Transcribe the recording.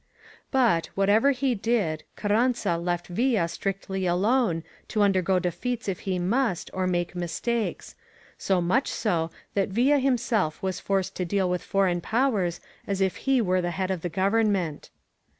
But, whatever he did, Carranza left Villa strictly alone, to undergo defeats if he must, or make mistakes ; so much so that Villa himself was forced to deal with foreign powers as if he were the head of the govern ment.